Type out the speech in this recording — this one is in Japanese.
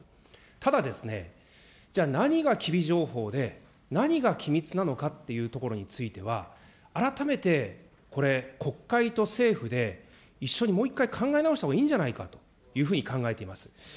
ただ、じゃあ何が機微情報で、何が機密なのかっていうところについては、改めてこれ、国会と政府で一緒にもう一回考え直したほうがいいんじゃないかというふうに考えています。